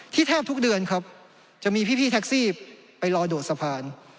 แทบทุกเดือนครับจะมีพี่แท็กซี่ไปรอโดดสะพาน